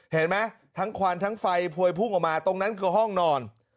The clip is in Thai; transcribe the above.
เห็นไหมทั้งควันทั้งไฟพวยพุ่งออกมาตรงนั้นคือห้องนอน